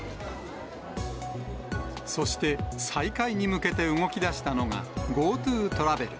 そして、再開に向けて動きだしたのがＧｏＴｏトラベル。